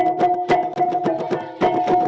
ini airnya digagangkan sendiri